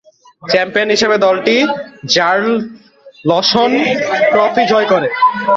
Champion হিসেবে দলটি Ralph Lawson trophy জয় করে।